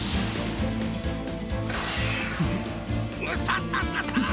ムササササ！